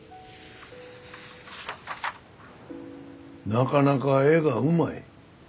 なかなか絵がうまい。